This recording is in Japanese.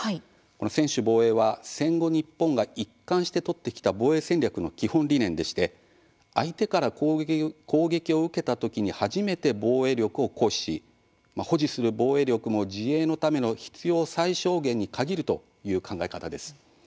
この専守防衛は戦後、日本が一貫して取ってきた防衛戦略の基本理念でして相手から攻撃を受けたときに初めて防衛力を行使保持する防衛力も自衛のための必要最小限に限るという考え方です。